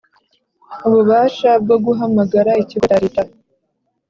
ububasha bwo guhamagara ikigo cya Leta